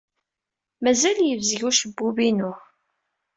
Mazal yebzeg ucebbub-inu.